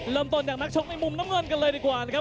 เริ่มต้นจากนักชกในมุมน้ำเงินกันเลยดีกว่านะครับ